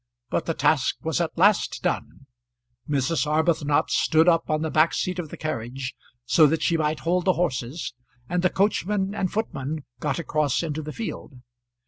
But the task was at last done. Mrs. Arbuthnot stood up on the back seat of the carriage so that she might hold the horses, and the coachman and footman got across into the field.